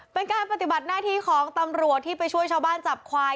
เป็นการปฏิบัติหน้าที่ของตำรวจที่ไปช่วยชาวบ้านจับควาย